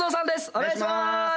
お願いします！